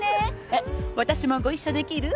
えっ私もご一緒できる？